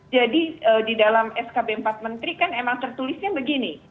jadi di dalam skb empat menteri kan emang tertulisnya begini